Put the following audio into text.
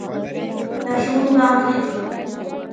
لارښوونې به علمي وي.